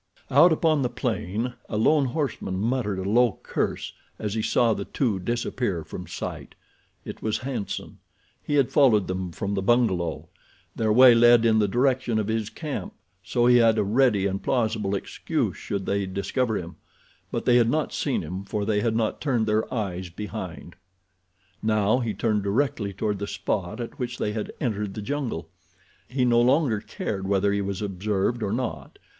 Out upon the plain a lone horseman muttered a low curse as he saw the two disappear from sight. It was Hanson. He had followed them from the bungalow. Their way led in the direction of his camp, so he had a ready and plausible excuse should they discover him; but they had not seen him for they had not turned their eyes behind. Now he turned directly toward the spot at which they had entered the jungle. He no longer cared whether he was observed or not.